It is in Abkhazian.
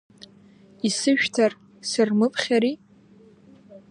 Исышәҭар сырмыԥхьари!